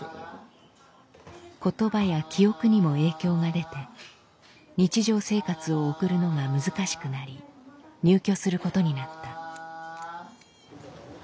言葉や記憶にも影響が出て日常生活を送るのが難しくなり入居することになった。